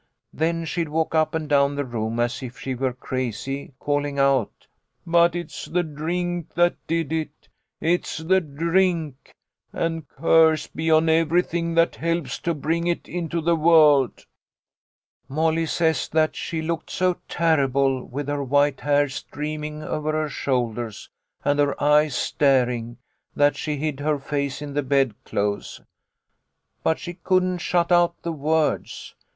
' Then she'd walk up and down the room as if she were crazy, calling out, But it's the drink that did it ! It's the drink, and a curse be on everything that helps to bring it into the world.' "Molly says that she looked so terrible, with her white hair streaming over her shoulders, and her eyes staring, that she hid her face in the bed clothes. But she couldn't shut out the words.